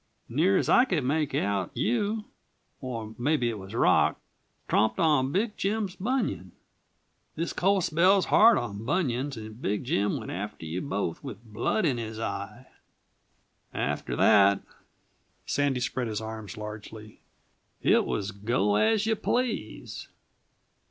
Near as I could make out, you or maybe it was Rock tromped on Big Jim's bunion. This cold spell's hard on bunions and Big Jim went after you both with blood in his eye. "After that" Sandy spread his arms largely "it was go as you please.